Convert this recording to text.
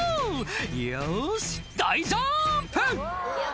「よし大ジャンプ！」